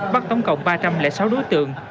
bắt tổng cộng ba trăm linh sáu đối tượng